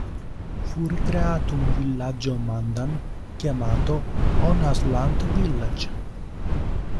Fu ricreato un villaggio Mandan, chiamato "On-a-Slant Village".